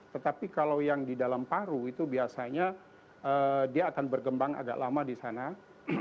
tetapi kalau yang di dalam paru itu biasanya dia akan bergembang agak lama di sana